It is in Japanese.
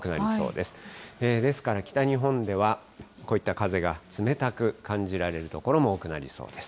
ですから北日本ではこういった風が冷たく感じられる所も多くなりそうです。